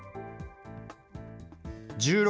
１６